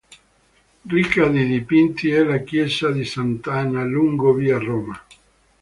Ricca di dipinti è la chiesa di Sant'Anna, lungo via Roma.